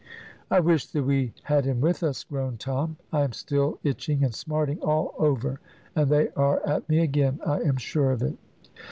"I wish that we had him with us," groaned Tom; "I am still itching and smarting all over, and they are at me again, I am sure of it."